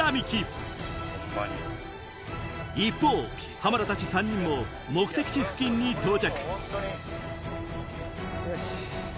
浜田たち３人も目的地付近に到着よし！